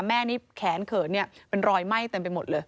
แม่นี่แขนเขินเนี่ยเป็นรอยไหม้เต็มไปหมดเลย